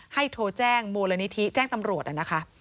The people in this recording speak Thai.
โทรแจ้งมูลนิธิแจ้งตำรวจนะคะ